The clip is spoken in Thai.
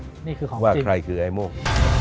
นี่คือของว่าใครคือไอ้โม่ง